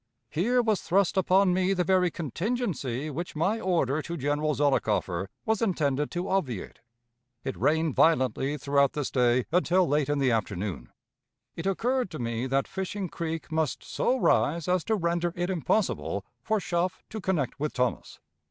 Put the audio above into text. Here was thrust upon me the very contingency which my order to General Zollicoffer was intended to obviate. It rained violently throughout this day until late in the afternoon. It occurred to me that Fishing Creek must so rise as to render it impossible for Schopf to connect with Thomas.